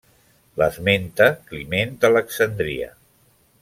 L'esmenta Climent d'Alexandria.